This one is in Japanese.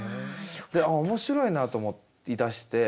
ああ面白いなと思いだして。